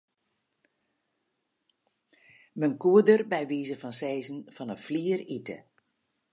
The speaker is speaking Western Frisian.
Men koe der by wize fan sizzen fan 'e flier ite.